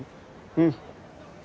うん。